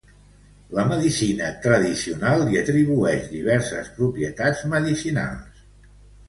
La medicina tradicional li atribuïx diverses propietats medicinals.